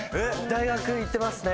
大学行ってますね。